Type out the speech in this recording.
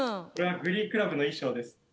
これはグリー・クラブの衣装です。